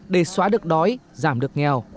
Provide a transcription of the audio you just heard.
để xóa được đói giảm được nghèo